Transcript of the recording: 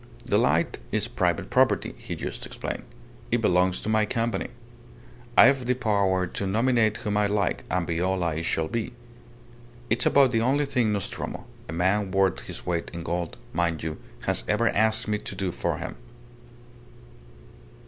"The light is private property," he used to explain. "It belongs to my Company. I've the power to nominate whom I like, and Viola it shall be. It's about the only thing Nostromo a man worth his weight in gold, mind you has ever asked me to do for him."